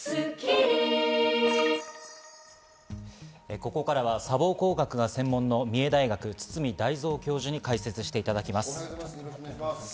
ここからは砂防工学が専門の三重大学、堤大三教授に解説していただきます。